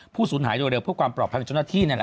ผู้สูญหายเร็วเพื่อความปลอดภัยกับชนที่